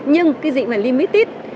nhưng cái gì mà limited